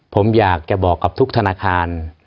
ผมอยากจะบอกกับทุกธนาคาร